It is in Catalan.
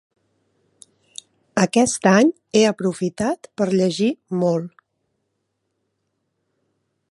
Aquest any he aprofitat per llegir molt.